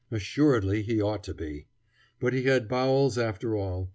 Assuredly, he ought to be. But he had bowels after all.